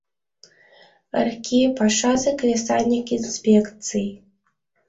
РКИ — пашазе-кресаньык инспекций